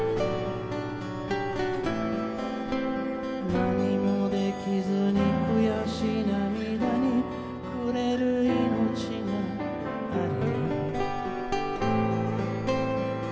「何も出来ずに悔し涙に暮れる生命があり」